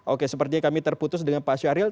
oke sepertinya kami terputus dengan pak syahril